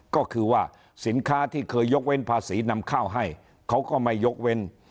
ก็คือว่าสินค้าที่เคยยกเว้นภาษีนำข้าวให้เขาก็ไม่ยกเว้น